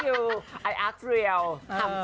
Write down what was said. คำจริง